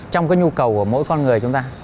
trong cái nhu cầu của mỗi con người chúng ta